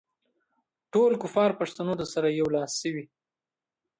ټول کفار پښتنو ته سره یو لاس شوي.